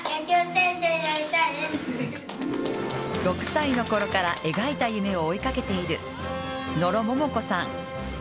６歳のころから描いた夢を追いかけている野呂萌々子さん。